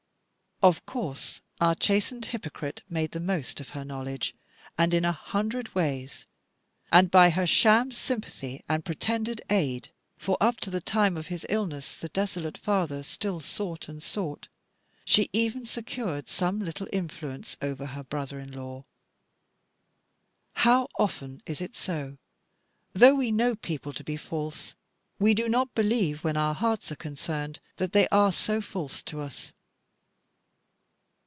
Of course our chastened hypocrite made the most of her knowledge in a hundred ways, and by her sham sympathy and pretended aid for up to the time of his illness the desolate father still sought and sought she even secured some little influence over her brother in law. How often is it so: though we know people to be false, we do not believe, when our hearts are concerned, that they are so false to us.